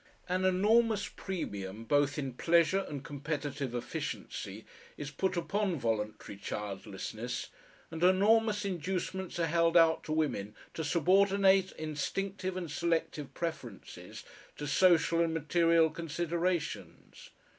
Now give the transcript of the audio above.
An enormous premium both in pleasure and competitive efficiency is put upon voluntary childlessness, and enormous inducements are held out to women to subordinate instinctive and selective preferences to social and material considerations.